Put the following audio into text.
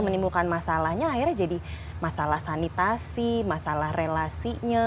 menimbulkan masalahnya akhirnya jadi masalah sanitasi masalah relasinya